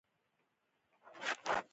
کاش چې وس هم ته وای